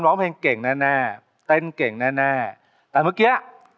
ร้องเพลงเก่งแน่แน่เต้นเก่งแน่แน่แต่เมื่อกี้